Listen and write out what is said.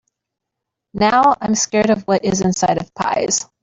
Now, I’m scared of what is inside of pies.